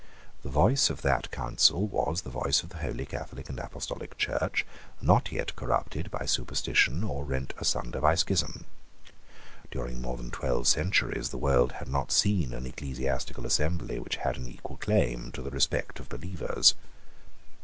The voice of that Council was the voice of the Holy Catholic and Apostolic Church, not yet corrupted by superstition, or rent asunder by schism. During more than twelve centuries the world had not seen an ecclesiastical assembly which had an equal claim to the respect of believers.